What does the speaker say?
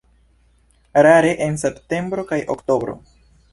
Rare en septembro kaj oktobro.